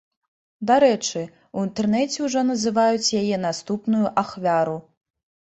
Дарэчы, у інтэрнэце ўжо называюць яе наступную ахвяру.